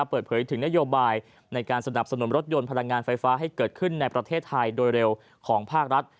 เปิดเผยถึงนโยบายในการสนับสนุนรถยนต์พลังงานไฟฟ้าให้เกิดขึ้นในประเทศไทยโดยเร็วของภาครัฐ